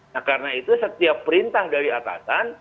nah karena itu setiap perintah dari atasan